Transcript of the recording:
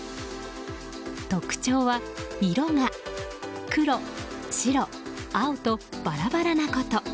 特徴は色が黒、白、青とバラバラなこと。